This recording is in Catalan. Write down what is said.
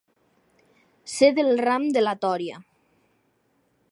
Ser del ram de la tòria.